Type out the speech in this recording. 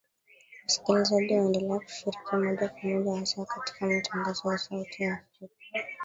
Wasikilizaji waendelea kushiriki moja kwa moja hasa katika matangazo yetu ya Sauti ya Afrika